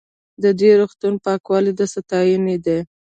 د دې روغتون پاکوالی د ستاینې دی.